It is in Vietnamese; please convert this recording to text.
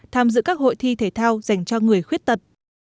tham dự các hội thi thể thao dành cho người khuyết tật